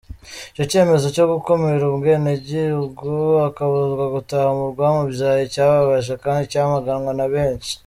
Icyo cyemezo cyo gukumira umwenegihugu akabuzwa gutaha mu rwamubyaye cyababaje kandi cyamaganwa na benshi.